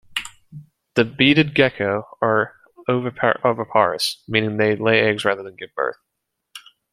The Beaded Gecko are oviparous, meaning they lay eggs rather than give birth.